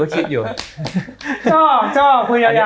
ชอบคุยอย่างนี้